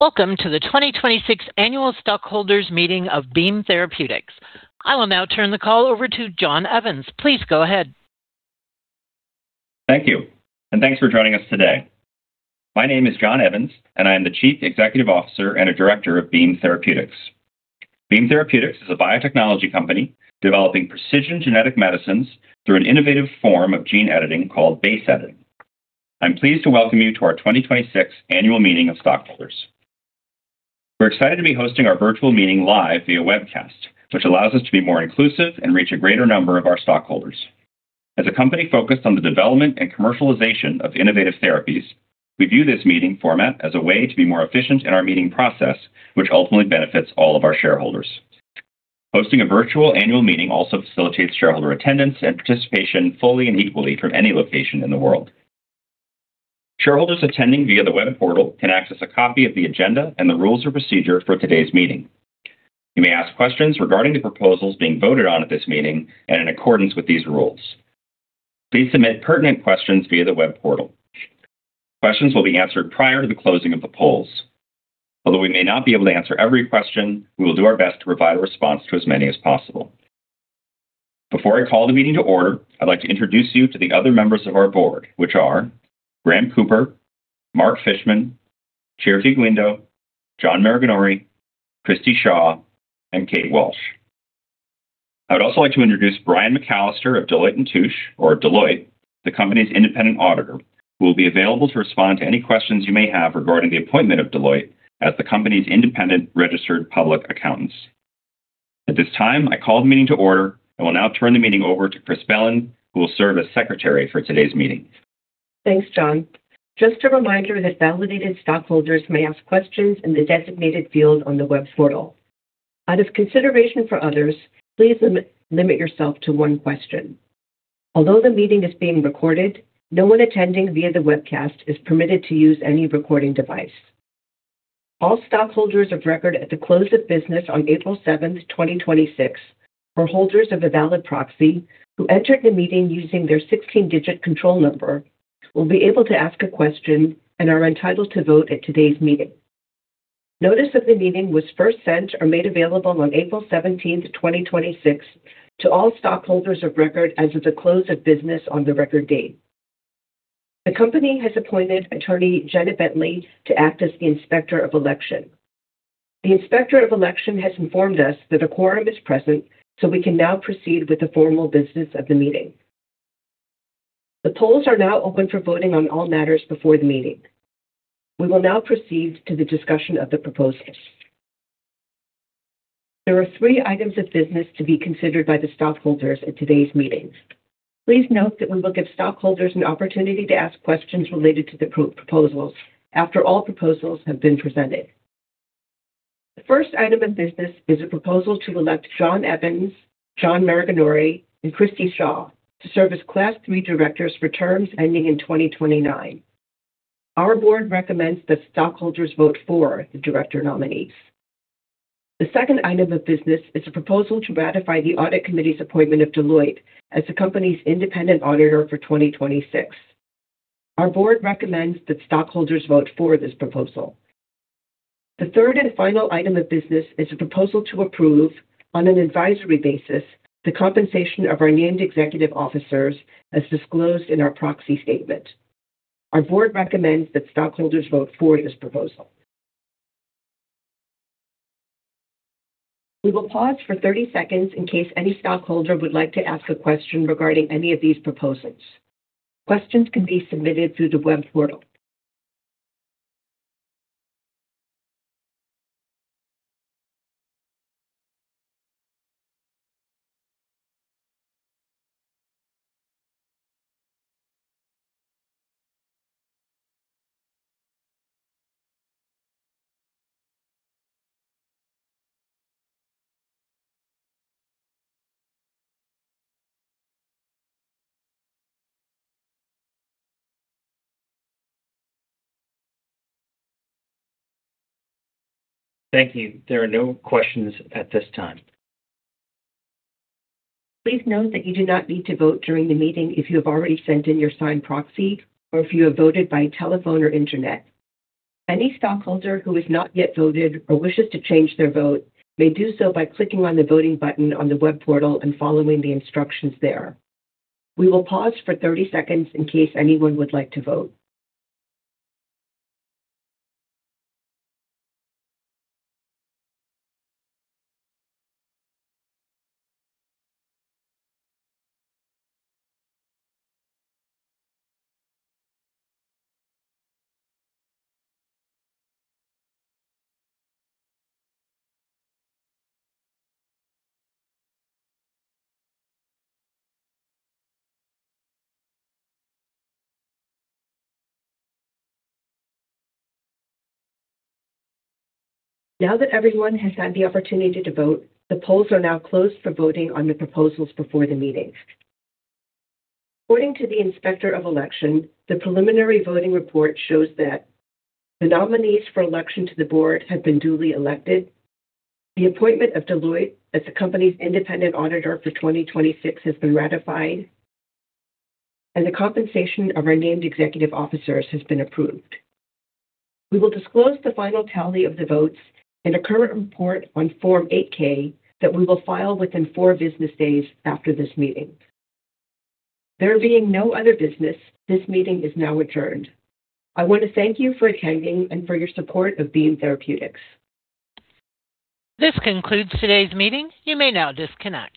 Welcome to the 2026 Annual Stockholders Meeting of Beam Therapeutics. I will now turn the call over to John Evans. Please go ahead. Thank you, and thanks for joining us today. My name is John Evans, and I am the Chief Executive Officer and a director of Beam Therapeutics. Beam Therapeutics is a biotechnology company developing precision genetic medicines through an innovative form of gene editing called base editing. I'm pleased to welcome you to our 2026 Annual Meeting of Stockholders. We're excited to be hosting our virtual meeting live via webcast, which allows us to be more inclusive and reach a greater number of our stockholders. As a company focused on the development and commercialization of innovative therapies, we view this meeting format as a way to be more efficient in our meeting process, which ultimately benefits all of our shareholders. Hosting a virtual annual meeting also facilitates shareholder attendance and participation fully and equally from any location in the world. Shareholders attending via the web portal can access a copy of the agenda and the rules of procedure for today's meeting. You may ask questions regarding the proposals being voted on at this meeting and in accordance with these rules. Please submit pertinent questions via the web portal. Questions will be answered prior to the closing of the polls. Although we may not be able to answer every question, we will do our best to provide a response to as many as possible. Before I call the meeting to order, I'd like to introduce you to the other members of our board, which are Graham Cooper, Mark Fishman, Chirfi Guindo, John Maraganore, Christi Shaw, and Kate Walsh. I would also like to introduce Brian McAllister of Deloitte & Touche, or Deloitte, the company's independent auditor, who will be available to respond to any questions you may have regarding the appointment of Deloitte as the company's independent registered public accountants. At this time, I call the meeting to order and will now turn the meeting over to Chris Bellon, who will serve as secretary for today's meeting. Thanks, John. Just a reminder that validated stockholders may ask questions in the designated field on the web portal. Out of consideration for others, please limit yourself to one question. The meeting is being recorded, no one attending via the webcast is permitted to use any recording device. All stockholders of record at the close of business on April 7th, 2026, or holders of a valid proxy who entered the meeting using their 16-digit control number, will be able to ask a question and are entitled to vote at today's meeting. Notice of the meeting was first sent or made available on April 17th, 2026, to all stockholders of record as of the close of business on the record date. The company has appointed attorney Jenna Bentley to act as the Inspector of Election. The Inspector of Election has informed us that a quorum is present, so we can now proceed with the formal business of the meeting. The polls are now open for voting on all matters before the meeting. We will now proceed to the discussion of the proposals. There are three items of business to be considered by the stockholders at today's meeting. Please note that we will give stockholders an opportunity to ask questions related to the proposals after all proposals have been presented. The first item of business is a proposal to elect John Evans, John Maraganore, and Christi Shaw to serve as Class III directors for terms ending in 2029. Our board recommends that stockholders vote for the director nominees. The second item of business is a proposal to ratify the Audit Committee's appointment of Deloitte as the company's independent auditor for 2026. Our board recommends that stockholders vote for this proposal. The third and final item of business is a proposal to approve, on an advisory basis, the compensation of our named executive officers as disclosed in our proxy statement. Our board recommends that stockholders vote for this proposal. We will pause for 30 seconds in case any stockholder would like to ask a question regarding any of these proposals. Questions can be submitted through the web portal. Thank you. There are no questions at this time. Please note that you do not need to vote during the meeting if you have already sent in your signed proxy, or if you have voted by telephone or internet. Any stockholder who has not yet voted or wishes to change their vote may do so by clicking on the voting button on the web portal and following the instructions there. We will pause for 30 seconds in case anyone would like to vote. Now that everyone has had the opportunity to vote, the polls are now closed for voting on the proposals before the meeting. According to the Inspector of Election, the preliminary voting report shows that the nominees for election to the board have been duly elected, the appointment of Deloitte as the company's independent auditor for 2026 has been ratified, and the compensation of our named executive officers has been approved. We will disclose the final tally of the votes in a current report on Form 8-K that we will file within four business days after this meeting. There being no other business, this meeting is now adjourned. I want to thank you for attending and for your support of Beam Therapeutics. This concludes today's meeting. You may now disconnect.